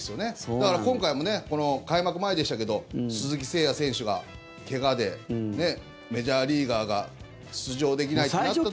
だから今回も開幕前でしたけど鈴木誠也選手が怪我でメジャーリーガーが出場できないってなった時に。